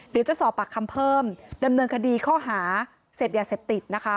เดี๋ยวจะสอบปากคำเพิ่มดำเนินคดีข้อหาเสพยาเสพติดนะคะ